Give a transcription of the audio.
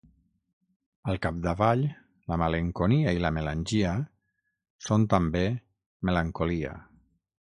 Al capdavall, la malenconia i la melangia són, també, melancolia.